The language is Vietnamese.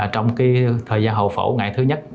trong thời gian hậu phẫu ngày thứ nhất